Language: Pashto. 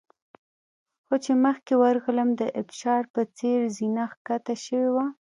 خو چې مخکې ورغلم د ابشار په څېر زینه ښکته شوې وه.